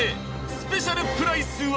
スペシャルプライスは？